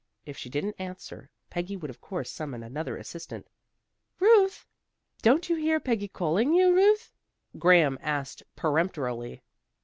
If she didn't answer, Peggy would of course summon another assistant. "Ruth!" "Don't you hear Peggy calling you, Ruth?" Graham asked peremptorily.